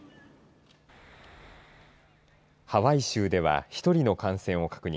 ハワイ州では、１人の感染を確認。